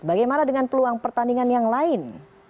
bagaimana dengan peluang pertandingan yang lain